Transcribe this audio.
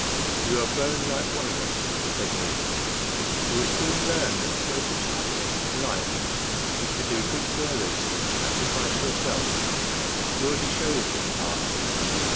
"You are growing like one of us," said he. "You will soon learn that the greatest happiness in life is to do good to others and sacrifice yourself. You already show this in part.